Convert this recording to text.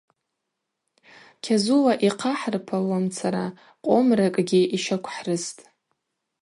Кьазула йхъахӏырпалуамцара къомракӏгьи йщаквхӏрыстӏ.